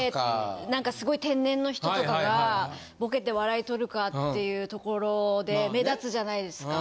何かすごい天然の人とかがボケて笑い取るかっていうところで目立つじゃないですか。